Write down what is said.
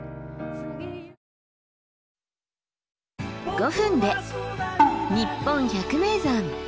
５分で「にっぽん百名山」。